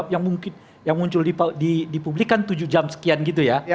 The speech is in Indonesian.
yang mungkin yang muncul di publik kan tujuh jam sekian gitu ya